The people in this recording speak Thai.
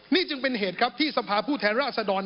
นี้จึงเป็นเหตุที่สภาพผู้แท้ราศดร